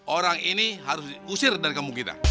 orang ini harus diusir dari kamu kita